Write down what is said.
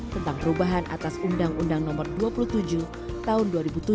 tentang perubahan atas undang undang nomor dua puluh tujuh tahun dua ribu tujuh